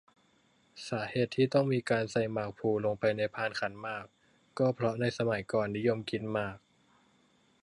สาเหตุที่ต้องมีการใส่หมากพลูลงไปในพานขันหมาก ก็เพราะในสมัยก่อนนิยมกินหมาก